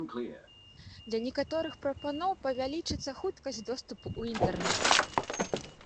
Для некаторых прапаноў павялічыцца хуткасць доступу ў інтэрнэт.